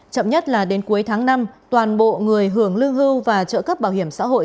chậm nhất là đến cuối tháng năm toàn bộ người hưởng lương hưu và trợ cấp bảo hiểm xã hội